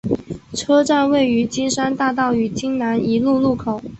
车站位于金山大道与金南一路路口。